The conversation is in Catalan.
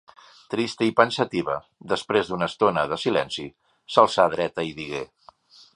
Trista i pensativa, després d'una estona de silenci, s'alçà dreta i digué: